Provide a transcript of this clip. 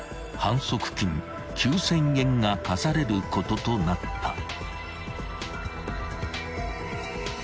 ［反則金９，０００円が科されることとなった］